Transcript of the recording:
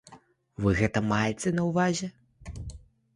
Вы гэта маеце на ўвазе?